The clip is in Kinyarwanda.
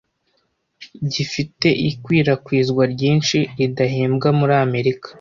gifite ikwirakwizwa ryinshi ridahembwa muri Amerika